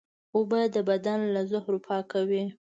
اوبه د بدن له زهرو پاکوي